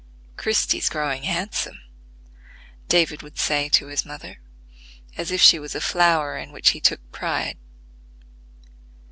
"Christie 's growing handsome," David would say to his mother, as if she was a flower in which he took pride.